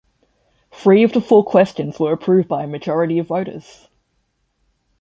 Three of the four questions were approved by a majority of voters.